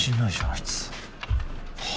あいつ。は？